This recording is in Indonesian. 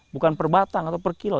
bukan per batang atau per kilo